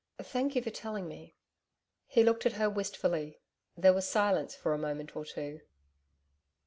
Thank you for telling me.' He looked at her wistfully. There was silence for a moment or two.